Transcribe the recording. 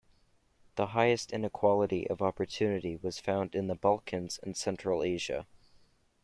The highest inequality of opportunity was found in the Balkans and Central Asia.